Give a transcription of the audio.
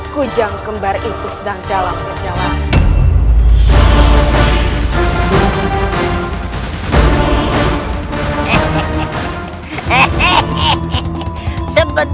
kujang kembar itu sedang dalam perjalanan